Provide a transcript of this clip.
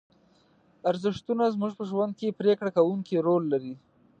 ارزښتونه زموږ په ژوند کې پرېکړه کوونکی رول لري.